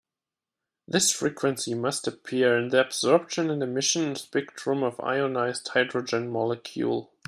This frequency must appear in the absorption and emission spectrum of ionized hydrogen molecule.